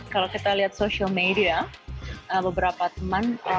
kalau kita lihat social media beberapa teman